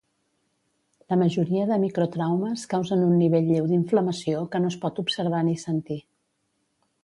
La majoria de microtraumes causen un nivell lleu d'inflamació que no es pot observar ni sentir.